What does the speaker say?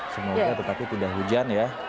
semoga tetapi tidak hujan ya